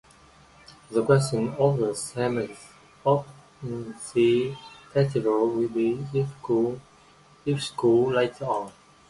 The question of the sameness of these festivals will be discussed later on.